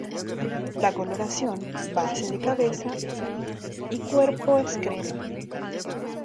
La coloración base de cabeza y cuerpo es crema.